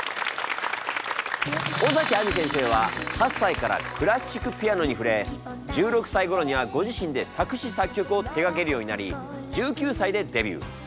尾崎亜美先生は８歳からクラシックピアノに触れ１６歳ごろにはご自身で作詞作曲を手がけるようになり１９歳でデビュー。